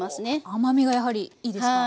甘みがやはりいいですか？